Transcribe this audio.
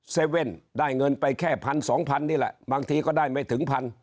เว่นได้เงินไปแค่พันสองพันนี่แหละบางทีก็ได้ไม่ถึงพัน